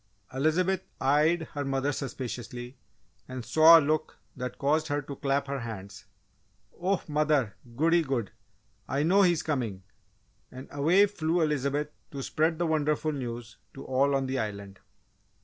'" Elizabeth eyed her mother suspiciously and saw a look that caused her to clap her hands. "Oh, mother! goody good! I know he is coming!" And away flew Elizabeth to spread the wonderful news to all on the Island.